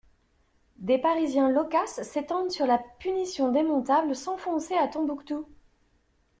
Des parisiens loquaces s'étendent sur la punition démontable sans foncer à Tombouctou.